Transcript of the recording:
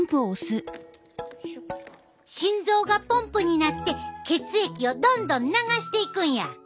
心臓がポンプになって血液をどんどん流していくんや。